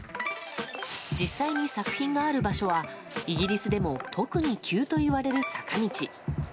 実際に作品がある場所はイギリスでも特に急といわれる坂道。